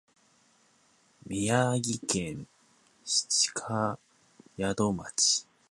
宮城県七ヶ宿町